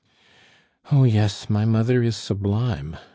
"Oh yes, my mother is sublime!"